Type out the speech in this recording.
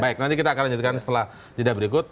baik nanti kita akan lanjutkan setelah jeda berikut